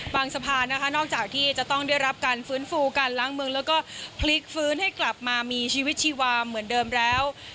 สะพานนะคะนอกจากที่จะต้องได้รับการฟื้นฟูการล้างเมืองแล้วก็พลิกฟื้นให้กลับมามีชีวิตชีวาเหมือนเดิมแล้ว